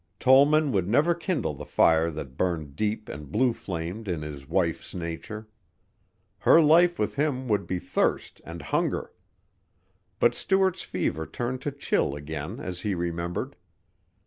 Tollman would never kindle the fire that burned deep and blue flamed in his wife's nature. Her life with him would be thirst and hunger. But Stuart's fever turned to chill again as he remembered.